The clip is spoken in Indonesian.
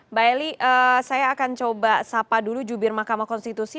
mbak eli saya akan coba sapa dulu jubir mahkamah konstitusi